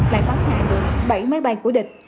lại bắn lại được bảy máy bay của địch